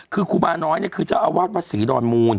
คือครูบาน้อยคือเจ้าอาวาสวัสดิ์วัดศรีดรมูล